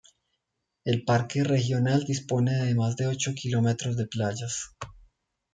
El Parque Regional dispone de más de ocho kilómetros de playas.